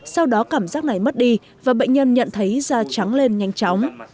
sau đó cảm giác này mất đi và bệnh nhân nhận thấy da trắng lên nhanh chóng